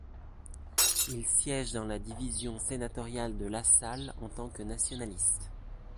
Il siège dans la division sénatoriale de Lasalle en tant que nationaliste.